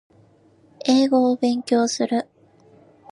英語を勉強する